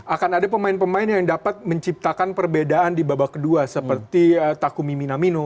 akan ada pemain pemain yang dapat menciptakan perbedaan di babak kedua seperti takumi minamino